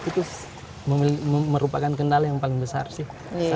itu merupakan kendala yang paling besar sih saat ini